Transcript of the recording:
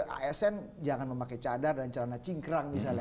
asn jangan memakai cadar dan celana cingkrang misalnya